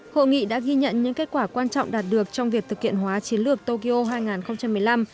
hội nghị đã ghi nhận những kết quả quan trọng đạt được trong việc thực hiện hóa chiến lược tokyo hai nghìn một mươi năm